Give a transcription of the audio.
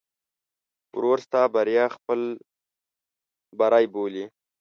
ورور ستا بریا خپل بری بولي.